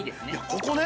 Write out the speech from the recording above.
◆ここね？